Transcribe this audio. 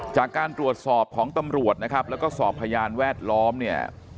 จากการตรวจสอบของตำรวจนะครับแล้วก็สอบพยานแวดล้อมเนี่ย